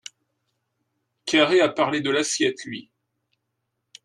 Carré a parlé de l’assiette, lui.